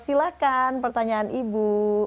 silahkan pertanyaan ibu